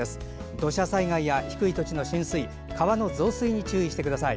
土砂災害や低い土地の浸水、川の増水に注意してください。